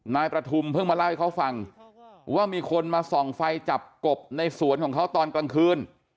นายประทุมเพิ่งมาเล่าให้เขาฟังว่ามีคนมาส่องไฟจับกบในสวนของเขาตอนกลางคืน